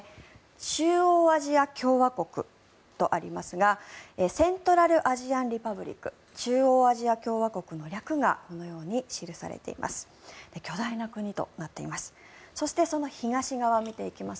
中央アジア共和国とありますがセントラル・アジアン・リパブリック中央アジア共和国の略がこのように記されています。